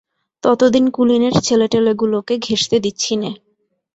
ততদিন কুলীনের ছেলেটেলেগুলোকে ঘেঁষতে দিচ্ছি নে!